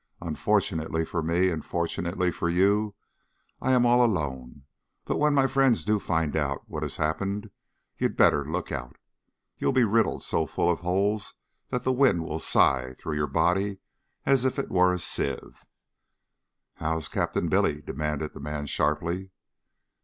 "Unfortunately for me, and fortunately for you, I am all alone. But when my friends do find out what has happened you'd better look out. You'll be riddled so full of holes that the wind will sigh through your body as if it were a sieve." "How's Captain Billy?" demanded the man sharply.